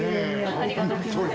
ありがとうございます。